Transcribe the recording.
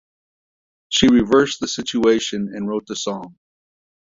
She reversed the situation and wrote the song.